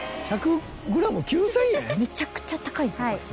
めちゃくちゃ高いんですこれ。